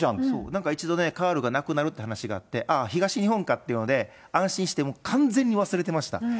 なんか一度ね、カールがなくなるって話があって、ああ、東日本かっていうので、安心して完全に忘れてました。